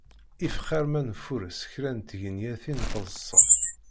If xir ma nfureṣ kra n tgenyatin n teḍsa.